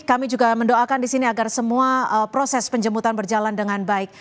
kami juga mendoakan di sini agar semua proses penjemputan berjalan dengan baik